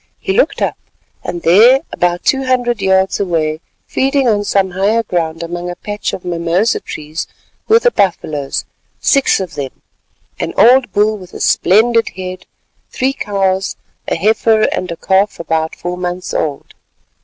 He looked up, and there, about two hundred yards away, feeding on some higher ground among a patch of mimosa trees, were the buffaloes—six of them—an old bull with a splendid head, three cows, a heifer and a calf about four months old.